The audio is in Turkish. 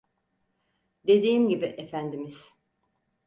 Dediğim gibi efendimiz…